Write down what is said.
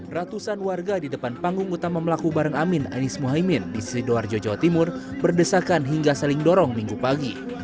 ratusan warga di depan panggung utama melaku bareng amin anies muhaymin di sidoarjo jawa timur berdesakan hingga saling dorong minggu pagi